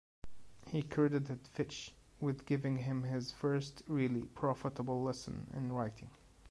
He credited Fitch with giving him his "first really profitable lesson" in writing.